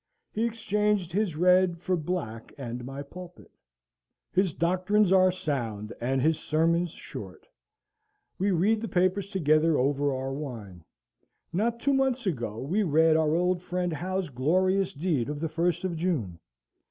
He exchanged his red for black and my pulpit. His doctrines are sound, and his sermons short. We read the papers together over our wine. Not two months ago we read our old friend Howe's glorious deed of the first of June.